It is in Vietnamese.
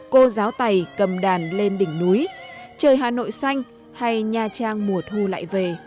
cô giáo tài cầm đàn lên đỉnh núi trời hà nội xanh hay nhà trang mùa thu lại về